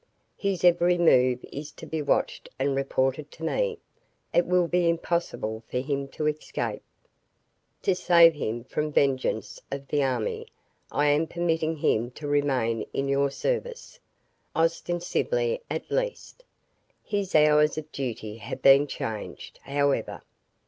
His every move is to be watched and reported to me. It will be impossible for him to escape. To save him from the vengeance of the army, I am permitting him to remain in your service, ostensibly, at least. His hours of duty have been changed, however.